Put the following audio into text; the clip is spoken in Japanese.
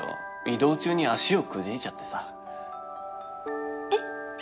移動中に足をくじいちゃってさえっ？